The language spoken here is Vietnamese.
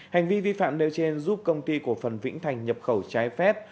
hành vi vi phạm nêu trên giúp công ty cổ phần vĩnh thành nhập khẩu trái phép